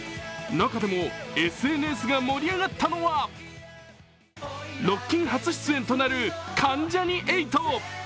中でもＳＮＳが盛り上がったのはロッキン初出演となる関ジャニ∞。